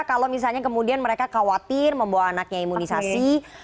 kalau misalnya kemudian mereka khawatir membawa anaknya imunisasi